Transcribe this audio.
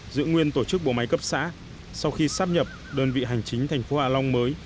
giữ nguyên tổ chức bộ máy cấp xã sau khi sắp nhập đơn vị hành chính thành phố hạ long mới